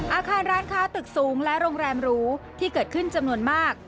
อาคารร้านค้าตึกสูงและโรงแรมหรูที่เกิดขึ้นจำนวนมาก